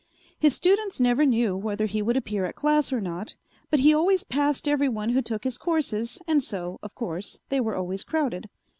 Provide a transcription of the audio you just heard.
His students never knew whether he would appear at class or not; but he always passed everyone who took his courses and so, of course, they were always crowded.